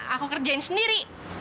aku kerjain sendiri